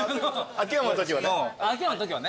秋山の時はです。